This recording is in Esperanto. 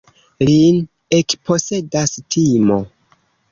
Lin ekposedas timo.